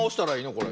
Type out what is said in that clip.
これ。